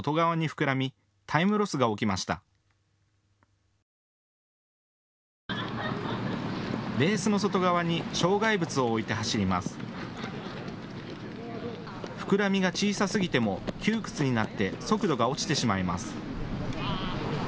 膨らみが小さすぎても窮屈になって速度が落ちてしまいます。